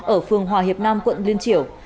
ở phường hòa hiệp nam quận liên triểu